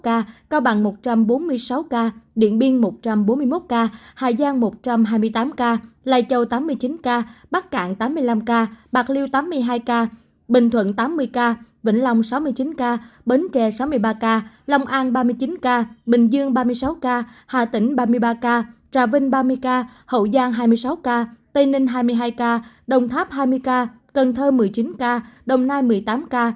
ca cà mau một trăm bảy mươi một ca cao bằng một trăm bốn mươi sáu ca điện biên một trăm bốn mươi một ca hà giang một trăm hai mươi tám ca lài châu tám mươi chín ca bắc cạn tám mươi năm ca bạc liêu tám mươi hai ca bình thuận tám mươi ca vĩnh long sáu mươi chín ca bến trè sáu mươi ba ca lòng an ba mươi chín ca bình dương ba mươi sáu ca hà tĩnh ba mươi ba ca trà vinh ba mươi ca hậu giang hai mươi sáu ca tây ninh hai mươi hai ca đồng tháp hai mươi ca cần thơ một mươi chín ca đồng nai một mươi tám ca